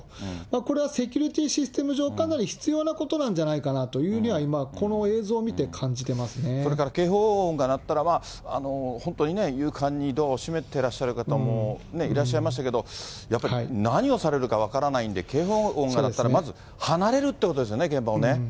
これはセキュリティーシステム上、かなり必要なことなんじゃないかなというふうには今、この映像をそれから警報音が鳴ったら、本当にね、勇敢にドアを閉めてらっしゃる方もいらっしゃいましたけど、やっぱり何をされるか分からないんで、警報音が鳴ったら、まず離れるってことですよね、現場をね。